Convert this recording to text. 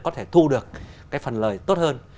có thể thu được cái phần lợi tốt hơn